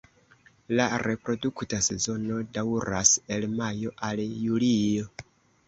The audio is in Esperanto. La reprodukta sezono daŭras el majo al julio.